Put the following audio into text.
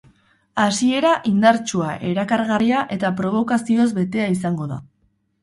Hasiera indartsua, erakargarria eta probokazioz betea izango da.